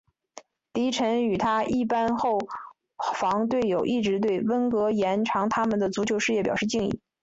迪臣与他一班后防队友一直对温格延长他们的足球事业表示敬意。